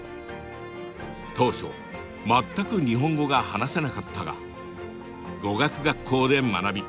当初全く日本語が話せなかったが語学学校で学び